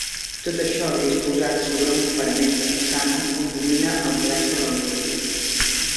Tot això disposat sobre uns paraments de façana on domina el ple sobre el buit.